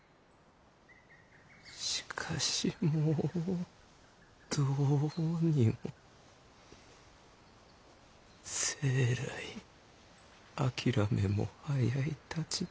しかしもうどうにも生来諦めも早いたちで。